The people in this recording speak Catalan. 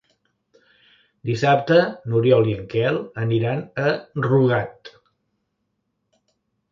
Dissabte n'Oriol i en Quel aniran a Rugat.